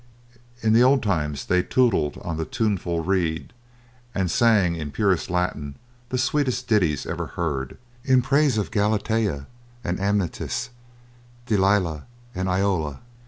In the old times they tootled on the tuneful reed, and sang in purest Latin the sweetest ditties ever heard, in praise of Galatea and Amyntas, Delia and Iolla.